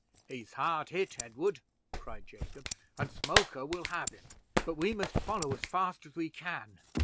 "He's hard hit, Edward," cried Jacob, "and Smoker will have him; but we must follow as fast as we can."